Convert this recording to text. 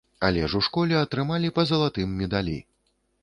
Але ж у школе атрымалі па залатым медалі.